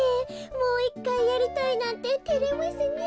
もういっかいやりたいなんててれますねえ。